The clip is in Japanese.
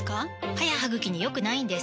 歯や歯ぐきに良くないんです